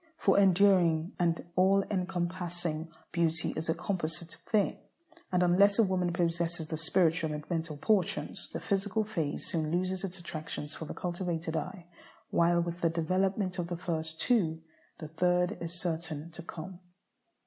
For enduring and all encompassing beauty is a composite thing, and unless a woman possesses the spiritual and mental portions, the physical phase soon loses its attractions for the cultivated eye; while with the development of the first two, the third is certain to come.